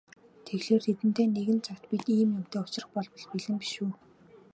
Тэгэхлээр тэдэнтэй нэгэн цагт бид ийм юмтай учрах болбол бэлэн биш үү?